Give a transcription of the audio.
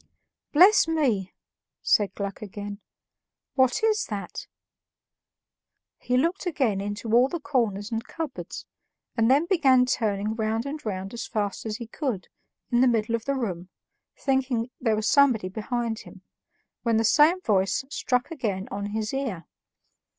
"Bless me!" said Gluck again, "what is that?" He looked again into all the corners and cupboards, and then began turning round and round as fast as he could, in the middle of the room, thinking there was somebody behind him, when the same voice struck again on his ear.